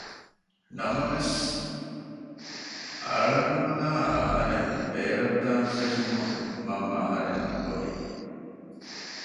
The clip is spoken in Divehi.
ނަމަވެސް އަޅަނުލައި އަހަރެން ބޭރަށްދާން ފެށުމުން މަންމަ އަހަރެންނަށް ގޮވި